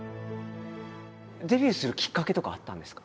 デビューするきっかけとかはあったんですか？